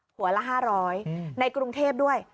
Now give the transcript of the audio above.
หัวละ๕๐๐ในกรุงเทพด้วย